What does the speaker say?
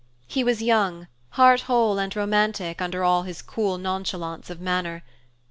He was young, heart whole, and romantic, under all his cool nonchalance of manner.